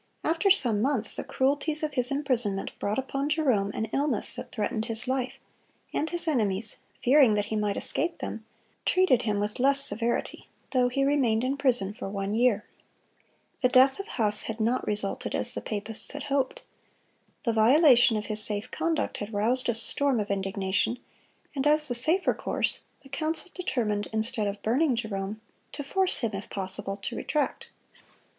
After some months the cruelties of his imprisonment brought upon Jerome an illness that threatened his life, and his enemies, fearing that he might escape them, treated him with less severity, though he remained in prison for one year. The death of Huss had not resulted as the papists had hoped. The violation of his safe conduct had roused a storm of indignation, and as the safer course, the council determined, instead of burning Jerome, to force him, if possible, to retract.